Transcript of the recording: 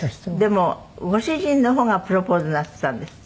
でもご主人の方がプロポーズなすったんですって？